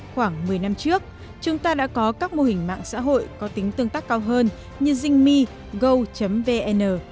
khoảng một mươi năm trước chúng ta đã có các mô hình mạng xã hội có tính tương tác cao hơn như zingme go vn